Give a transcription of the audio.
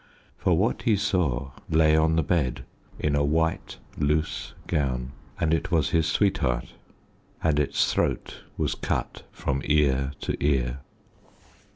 For what he saw lay on the bed, in a white loose gown and it was his sweetheart, and its throat was cut from ear to ear.